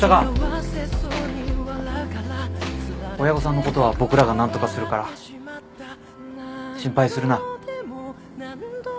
親御さんのことは僕らが何とかするから心配するな。